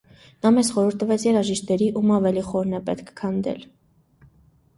Նա մեզ խորհուրդ տվեց երաժիշտների, ում ավելի խորն է պետք քանդել։